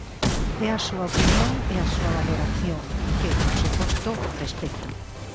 É a súa opinión e a súa valoración, que, por suposto, respecto.